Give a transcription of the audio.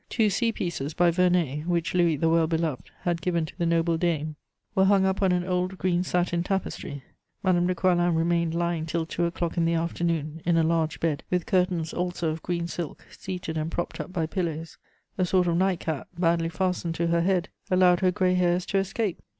Two sea pieces by Vernet, which Louis "the Well beloved" had given to the noble dame, were hung up on an old green satin tapestry. Madame de Coislin remained lying till two o'clock in the afternoon in a large bed, with curtains also of green silk, seated and propped up by pillows; a sort of nightcap, badly fastened to her head, allowed her grey hairs to escape.